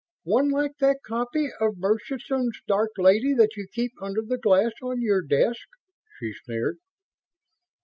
"One like that copy of Murchison's Dark Lady that you keep under the glass on your desk?" she sneered.